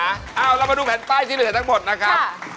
เอาเรามาดูแผ่นป้ายที่เหลือทั้งหมดนะครับ